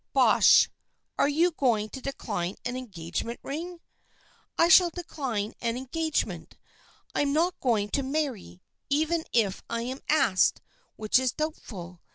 " Bosh ! Are you going to decline an engage ment ring ?"" I shall decline an engagement. I'm not going to marry, even if I'm asked, which is doubtful.